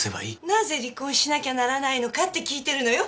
なぜ離婚しなきゃならないのかって聞いてるのよ？